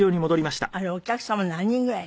あれお客様何人ぐらい？